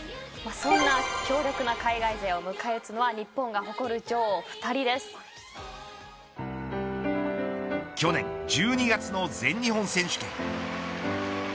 そんな強力な海外勢を迎え撃つのは去年１２月の全日本選手権。